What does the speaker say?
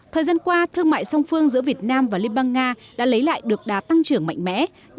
thời gian qua thương mại song phương giữa việt nam và liên bang nga đã lấy lại được đà tăng trưởng mạnh mẽ